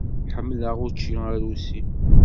Ḥemmleɣ učči arusi.